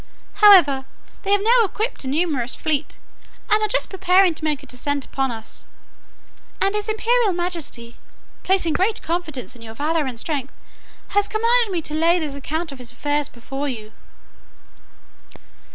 However, they have now equipped a numerous fleet, and are just preparing to make a descent upon us; and his imperial majesty, placing great confidence in your valour and strength, has commanded me to lay this account of his affairs before you."